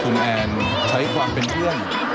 คุณแอนใช้ความเป็นเพื่อน